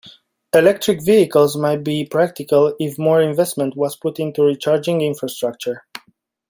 Electric Vehicles might be practical if more investment was put into recharging infrastructure.